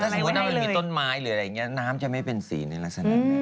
สมมุติว่ามันมีต้นไม้หรืออะไรอย่างนี้น้ำจะไม่เป็นสีในลักษณะนั้น